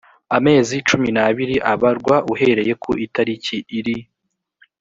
amezi cumi n abiri abarwa uhereye ku itariki iri